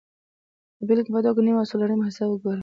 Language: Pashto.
د بېلګې په توګه نیم او څلورمه حصه وګورئ